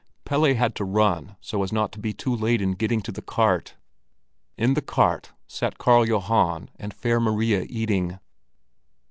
Pelle had to run so as not to be too late in getting to the cart. In the cart sat Karl Johan and Fair Maria eating.